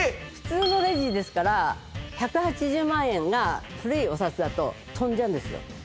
普通のレジですから１８０万円が古いお札だと飛んじゃうんですよ